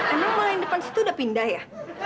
emang yang depan situ udah pindah ya